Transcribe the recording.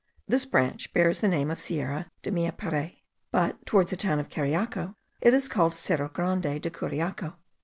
This branch bears the name of Sierra de Meapire; but towards the town of Cariaco it is called Cerro Grande de Curiaco.